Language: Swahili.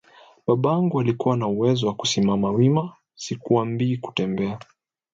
Babangu alikuwa na uwezo wa kusimama wima, sikwambii kutembea